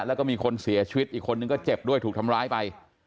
แล้วก็มีคนเสียชีวิตอีกคนนึงก็เจ็บด้วยถูกทำร้ายไป